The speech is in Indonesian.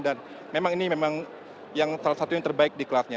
dan memang ini memang salah satu yang terbaik di kelasnya